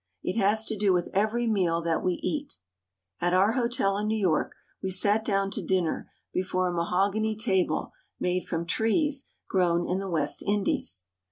It has to do with every meal that we eat. At our hotel in New York we sat down to dinner before a mahogany table made from trees grown in the West Indies.